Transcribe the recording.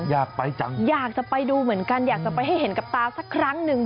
อยากไปจังอยากจะไปดูเหมือนกันอยากจะไปให้เห็นกับตาสักครั้งหนึ่ง